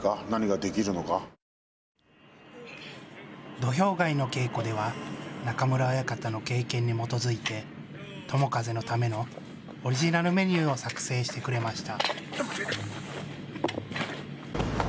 土俵外の稽古では中村親方の経験に基づいて友風のためのオリジナルメニューを作成してくれました。